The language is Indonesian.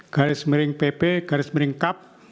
garis mering pp garis mering kap